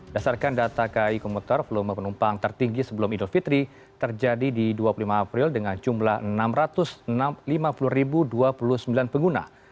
dasarkan data kai komuter volume penumpang tertinggi sebelum idul fitri terjadi di dua puluh lima april dengan jumlah enam ratus lima puluh dua puluh sembilan pengguna